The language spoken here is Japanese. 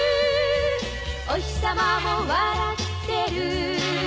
「おひさまも笑ってる」